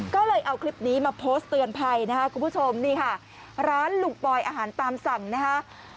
ก็เลยเอาคลิปนี้มาโพสต์เตือนภัยนะคะคุณผู้ชมนี่ค่ะร้านลุงปอยอาหารตามสั่งนะคะ